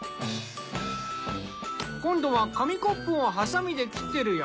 今度は紙コップをハサミで切ってるよ。